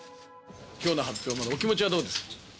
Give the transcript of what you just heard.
今日の発表のお気持ちはどうですか？